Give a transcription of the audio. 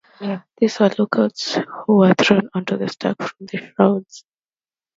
These were lookouts who were thrown onto the Stack from the shrouds.